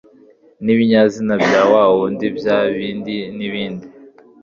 n ibinyazina wa wundibya bindi nibindi